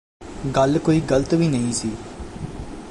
ਗੱਲ ਕੋਈ ਗਲਤ ਵੀ ਨਹੀਂ ਸੀ